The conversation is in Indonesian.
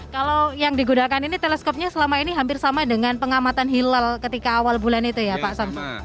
kalau yang digunakan ini teleskopnya selama ini hampir sama dengan pengamatan hilal ketika awal bulan itu ya pak sam